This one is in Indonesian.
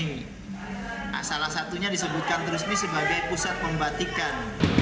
nah salah satunya disebutkan terusmi sebagai pusat pembatikan